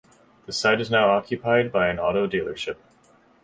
The site is now occupied by an auto dealership.